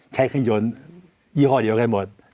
ใช้เครื่องยนต์ยี่ห้อเดียวกันหมด